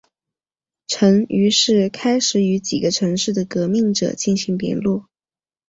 陈于是开始与几个城市的革命者进行联络。